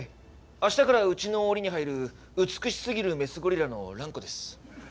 明日からうちの檻に入る美しすぎるメスゴリラのランコです。